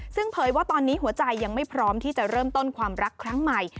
ซึ่งเผยว่าตอนนี้หัวใจยังไม่พร้อมที่จะเริ่มต้นความรักครั้งใหม่